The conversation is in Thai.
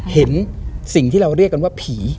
เห็นสิ่งที่เราเรียกกันว่าผี